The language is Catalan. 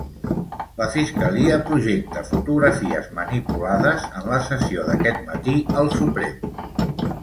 La fiscalia projecta fotografies manipulades en la sessió d'aquest matí al Suprem.